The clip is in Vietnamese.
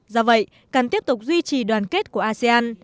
do vậy cần tiếp tục duy trì đoàn kết của asean